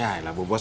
yaelah bu bos